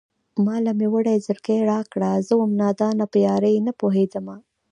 ما له مې وړی زړگی راکړه زه وم نادانه په يارۍ نه پوهېدمه